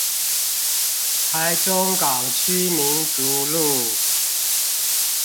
台中港區民族路